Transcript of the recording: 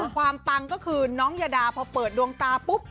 ความปังก็คือน้องยาดาพอเปิดดวงตาปุ๊บ